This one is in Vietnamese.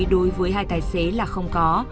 đối với hai tài xế là không có